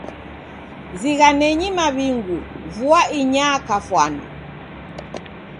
Zinghanenyi maw'ingu vua inyaa kafwani.